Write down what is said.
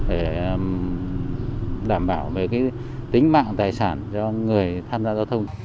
để đảm bảo về tính mạng tài sản cho người tham gia giao thông